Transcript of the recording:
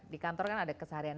di kantor kan ada keseharian